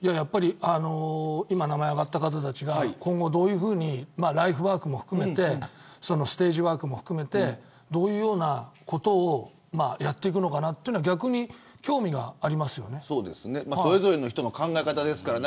今、名前が挙がった方たちがどういうふうにライフワークもステージワークも含めてどういうようなことをやっていくのかなというのがそれぞれ人の考え方ですからね。